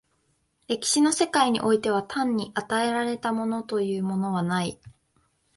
歴史の世界においては単に与えられたものというものはない。